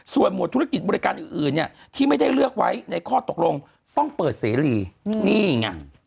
ส่วนหวดธุรกิจบริการอื่นเนี่ยที่ไม่ได้เลือกไว้ในข้อตกลงต้องเปิดเสรีนี่ไง